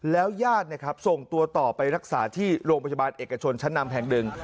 แล้วย่านส่งตัวต่อไปรักษาที่โรงประชาบานเอกชนชั้นนำแห่งดึง